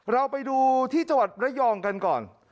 เราไปดูที่จังหวัดระยองกันก่อน